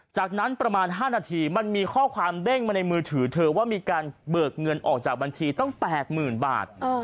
จากนั้นประมาณ๕นาทีมันมีข้อความเด้งมาในมือถือเธอว่ามีการเบิกเงินออกจากบัญชีตั้ง๘๐๐๐บาท